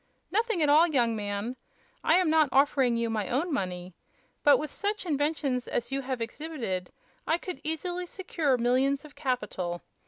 "Nothing at all, young man. I am not offering you my own money. But with such inventions as you have exhibited I could easily secure millions of capital.